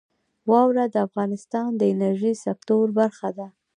واوره د افغانستان د انرژۍ سکتور برخه ده.